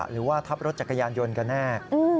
หรือว่าทับรถจักรยานยนต์กันแน่